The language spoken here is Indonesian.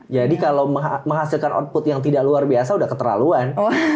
jadi kalau menghasilkan output yang tidak luar biasa udah keterlaluan